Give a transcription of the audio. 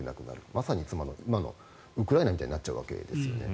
まさに今のウクライナみたいになっちゃうみたいですね。